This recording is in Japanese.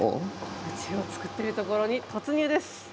宇宙を作ってるところに突入です。